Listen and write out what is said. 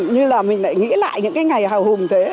như là mình lại nghĩ lại những cái ngày hào hùng thế